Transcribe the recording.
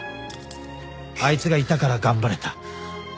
あいつがいたから頑張れた。